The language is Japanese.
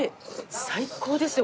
最高ですよ